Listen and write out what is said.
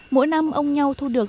mỗi năm ông nhau thu được